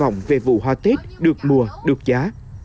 người nông dân đang kỳ vọng về vụ hoa tết được mùa được giá